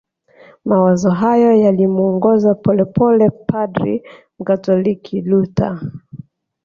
Mawazo hayo yalimuongoza polepole padri mkatoliki Luther